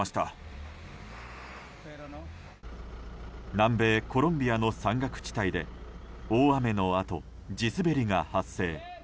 南米コロンビアの山岳地帯で大雨のあと地滑りが発生。